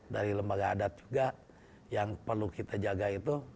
dari lembaga adat juga yang perlu kita jaga itu